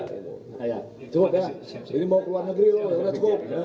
ini mau ke luar negeri loh cukup